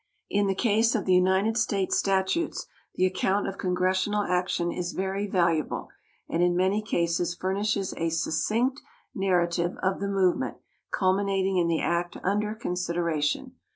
In the case of the United States statutes the account of congressional action is very valuable, and in many cases furnishes a succinct narrative of the movement culminating in the act under consideration.